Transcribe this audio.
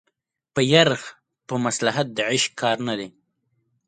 په يرغ په مصلحت د عشق کار نه دی